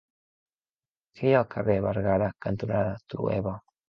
Què hi ha al carrer Bergara cantonada Trueba?